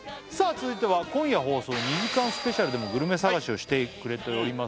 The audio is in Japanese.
続いては今夜放送２時間スペシャルでもグルメ探しをしてくれております